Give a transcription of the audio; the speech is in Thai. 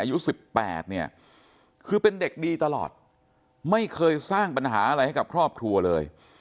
อายุ๑๘เนี่ยคือเป็นเด็กดีตลอดไม่เคยสร้างปัญหาอะไรให้กับครอบครัวเลย